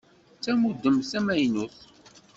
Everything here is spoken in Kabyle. D tamudemt tamaynut.